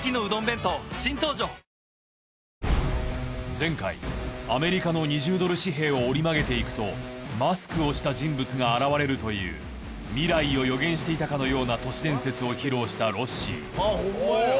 前回アメリカの２０ドル紙幣を折り曲げていくとマスクをした人物が現れるという未来を予言していたかのような都市伝説を披露したロッシーあっほんまや。